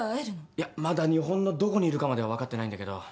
いやまだ日本のどこにいるかまでは分かってないんだけど。